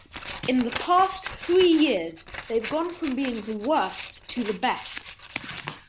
In the past three years, they've gone from being the worst to the best.